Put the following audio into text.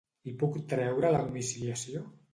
I puc treure la domiciliació?